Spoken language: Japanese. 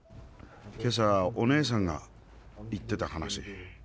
今朝おねえさんが言ってた話。